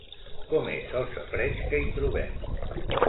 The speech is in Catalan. Com és el safareig que hi trobem?